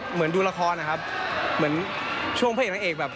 เหมือนดูละครนะครับเหมือนช่วงเพลงทางเอกแบบ